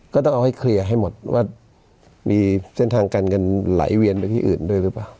ก็ต้องเอาให้เคลียร์ให้หมดว่ามีเส้นทางการเงินไหลเวียนไปที่อื่นด้วยหรือเปล่า